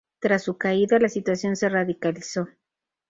Tras su caída, la situación se radicalizó.